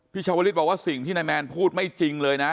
ชาวลิศบอกว่าสิ่งที่นายแมนพูดไม่จริงเลยนะ